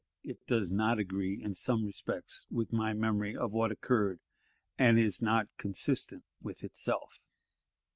It does not agree in some respects with my memory of what occurred, and is not consistent with itself.